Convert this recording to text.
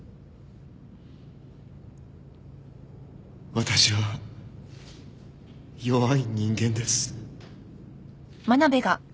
私は弱い人間です。